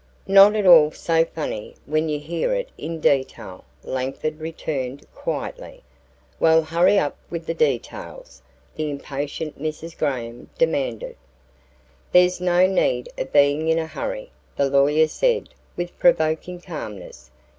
"Not at all so funny when you hear it in detail," Langford returned quietly. "Well hurry up with the details," the impatient Mrs. Graham demanded. "There's no need of being in a hurry," the lawyer said with provoking calmness.